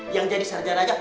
yang jadi sarjana aja